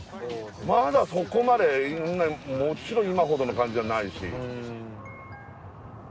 まだそこまでもちろん今ほどの感じじゃないし。